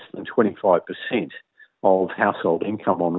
keuntungan rumah rumah di renta